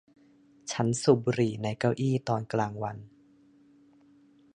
ฉันสูบบุหรี่ในเก้าอี้ตอนกลางวัน